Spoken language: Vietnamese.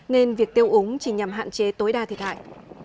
nên việc tiêu úng chỉ nhằm hạn chế tối đa thiệt hại